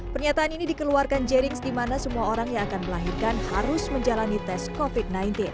pernyataan ini dikeluarkan jerings di mana semua orang yang akan melahirkan harus menjalani tes covid sembilan belas